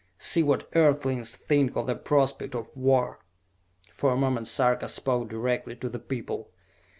See what Earthlings think of the prospect of war!" For a moment Sarka spoke directly to the people.